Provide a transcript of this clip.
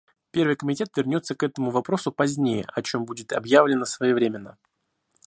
Первый комитет вернется к этому вопросу позднее, о чем будет объявлено своевременно.